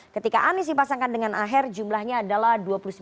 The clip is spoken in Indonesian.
ketika anies dipasangkan dengan aher jumlahnya adalah dua puluh sembilan